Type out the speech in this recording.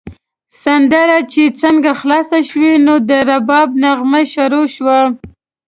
سندره چې څنګه خلاصه شوه، نو د رباب نغمه شروع شوه.